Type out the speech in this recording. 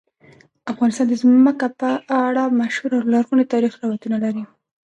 افغانستان د ځمکه په اړه مشهور او لرغوني تاریخی روایتونه لري.